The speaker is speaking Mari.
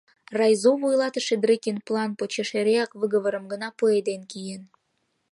Райзо вуйлатыше Дрыкин план почеш эреак выговорым гына пуэден киен.